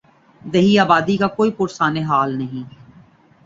دیہی آبادی کا کوئی پرسان حال نہیں۔